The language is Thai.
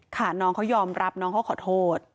ค่ะน้องเขายอมรับน้องเขาขอโทษ